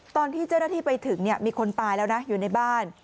ตอนที่เจ้าหน้าที่ไปถึงมีคนตายแล้วนะอยู่ในบ้าน